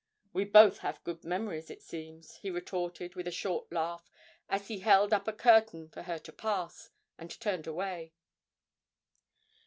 'We both have good memories, it seems,' he retorted with a short laugh as he held up a curtain for her to pass, and turned away.